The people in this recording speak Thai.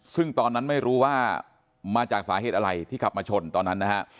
ซึ่งตอนนั้นไม่รู้ว่ามาจากสาเหตุอะไรที่ขับมาชนตอนนั้นนะฮะ